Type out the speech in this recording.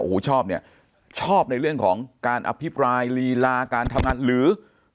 โอ้โหชอบเนี่ยชอบในเรื่องของการอภิปรายลีลาการทำงานหรือ